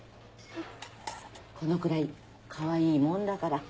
このくらいかわいいもんだから。